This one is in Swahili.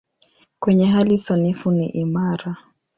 Kwenye hali sanifu ni imara.